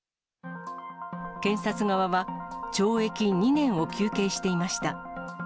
検察側は懲役２年を求刑していました。